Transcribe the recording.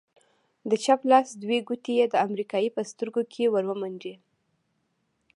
د چپ لاس دوې گوتې يې د امريکايي په سترگو کښې ورومنډې.